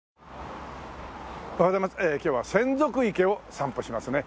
今日は洗足池を散歩しますね。